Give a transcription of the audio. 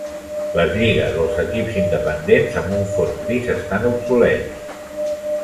Les lligues o els equips independents amb un fons gris estan obsolets.